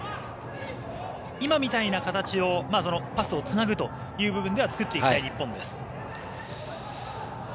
今みたいな形をパスをつなぐという部分では作っていきたい日本です。